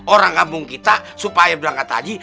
orang kampung kita supaya berangkat haji